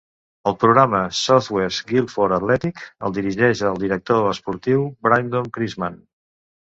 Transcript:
El programa Southwest Guilford Athletic el dirigeix el director esportiu Brindon Christman.